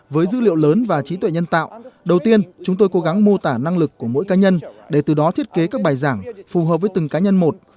với dữ liệu lớn và trí tuệ nhân tạo đầu tiên chúng tôi cố gắng mô tả năng lực của mỗi cá nhân để từ đó thiết kế các bài giảng phù hợp với từng cá nhân một